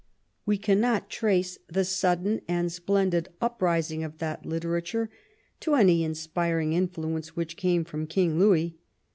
We cannot trace the sudden and splendid uprising of that literature to any inspiring influence which came from King Louis.